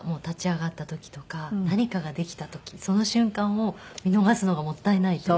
立ち上がった時とか何かができた時その瞬間を見逃すのがもったいない。